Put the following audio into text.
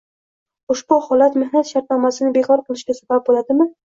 ushbu holat mehnat shartnomasini bekor qilishga sabab bo‘ladimi?